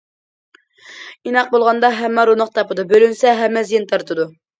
ئىناق بولغاندا ھەممە روناق تاپىدۇ، بۆلۈنسە ھەممە زىيان تارتىدۇ.